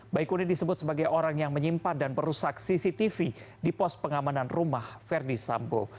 baikuni disebut sebagai orang yang menyimpan dan merusak cctv di pos pengamanan rumah verdi sambo